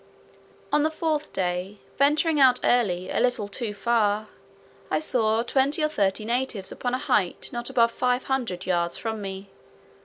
On the fourth day, venturing out early a little too far, I saw twenty or thirty natives upon a height not above five hundred yards from me.